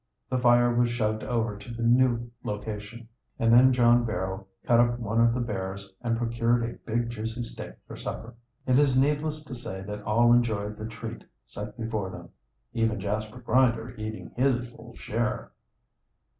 The fire was shoved over to the new location, and then John Barrow cut up one of the bears and procured a big juicy steak for supper. It is needless to say that all enjoyed the treat set before them, even Jasper Grinder eating his full share.